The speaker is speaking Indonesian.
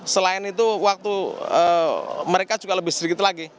selain itu waktu mereka juga lebih sedikit lagi